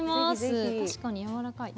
確かにやわらかい。